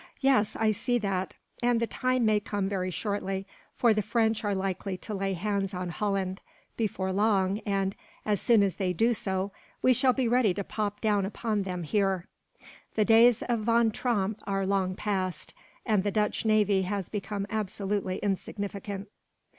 "Yes, I see that; and the time may come very shortly, for the French are likely to lay hands on Holland, before long and, as soon as they do so, we shall be ready to pop down upon them, here. The days of Van Tromp are long passed, and the Dutch navy has become absolutely insignificant.